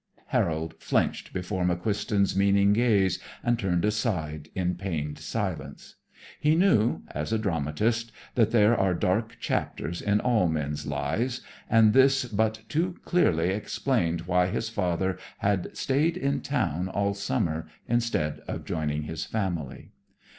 Harold flinched before McQuiston's meaning gaze and turned aside in pained silence. He knew, as a dramatist, that there are dark chapters in all men's lives, and this but too clearly explained why his father had stayed in town all summer instead of joining his family.